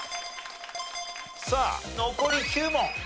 さあ残り９問。